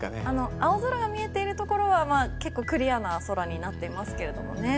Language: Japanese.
青空が見えているところはクリアな空になっていますけどね。